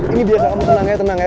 ini biasa kamu tenang tenang ya